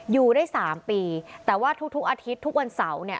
อยู่ได้๓ปีแต่ว่าทุกอาทิตย์ทุกวันเสาร์เนี่ย